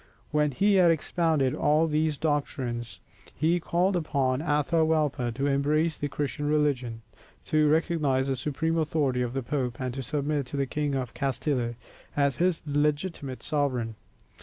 When he had expounded all these doctrines, he called upon Atahualpa to embrace the Christian religion, to recognize the supreme authority of the Pope, and to submit to the King of Castille as his legitimate sovereign.